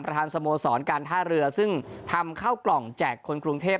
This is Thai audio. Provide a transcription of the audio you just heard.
สโมสรการท่าเรือซึ่งทำข้าวกล่องแจกคนกรุงเทพ